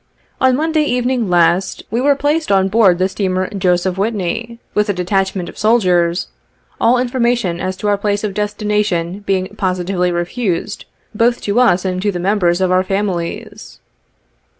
On Monday evening last, we were placed on board the steamer Joseph Whitney, with a detachment of soldiers ; all information as to our place of destination, being positively re fused, both to us and to the members of our families.